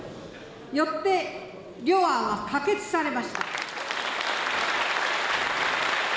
よって両案は可決されました。